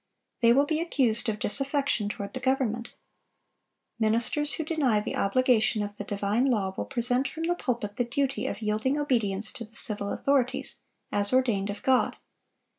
They will be accused of disaffection toward the government. Ministers who deny the obligation of the divine law will present from the pulpit the duty of yielding obedience to the civil authorities as ordained of God.